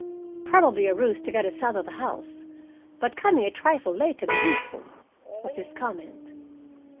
"Probably a ruse to get us out of the house, but coming a trifle late to be useful," was his comment.